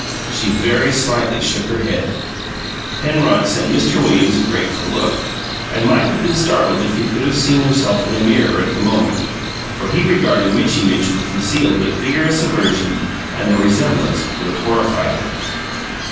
She very slightly shook her head. Penrod sent Mr. Williams a grateful look, and might have been startled if he could have seen himself in a mirror at that moment; for he regarded Mitchy Mitch with concealed but vigorous aversion and the resemblance would have horrified him.